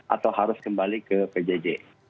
atau harus kembali ke pjj